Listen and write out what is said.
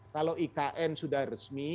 kalau ikn sudah resmi